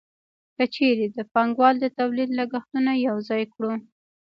که چېرې د پانګوال د تولید لګښتونه یوځای کړو